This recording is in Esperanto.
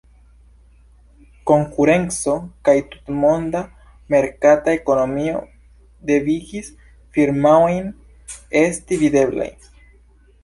Konkurenco kaj tutmonda merkata ekonomio devigis firmaojn esti videblaj.